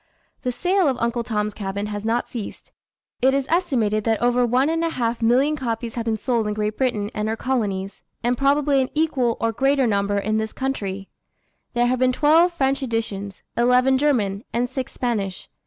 The sale of Uncle Tom's Cabin has not ceased. It is estimated that over one and a half million copies have been sold in Great Britain and her colonies, and probably an equal or greater number in this country. There have been twelve French editions, eleven German, and six Spanish.